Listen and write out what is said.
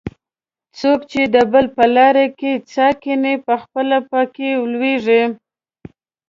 څوک چې د بل په لار کې څا کیني؛ پخپله په کې لوېږي.